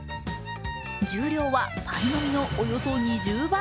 重量はパイの実のおよそ２０倍。